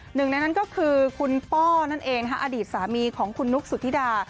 หนึ่งในนั้นก็คือคุณป้อนั่นเองอดีตสามีของคุณนุ๊กสุธิดา